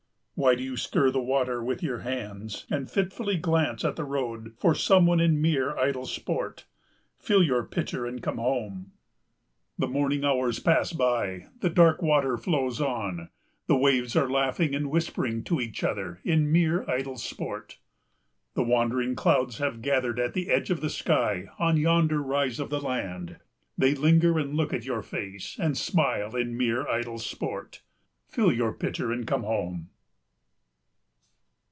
Why do you stir the water with your hands and fitfully glance at the road for some one in mere idle sport? Fill your pitcher and come home. The morning hours pass by the dark water flows on. The waves are laughing and whispering to each other in mere idle sport. The wandering clouds have gathered at the edge of the sky on yonder rise of the land. They linger and look at your face and smile in mere idle sport. Fill your pitcher and come home.